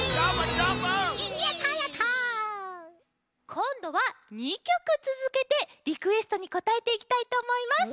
こんどは２きょくつづけてリクエストにこたえていきたいとおもいます。